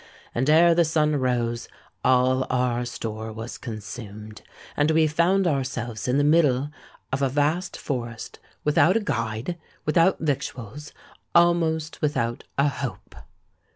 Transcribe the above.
And ere the sun rose all our store was consumed; and we found ourselves in the middle of a vast forest—without a guide—without victuals—almost without a hope!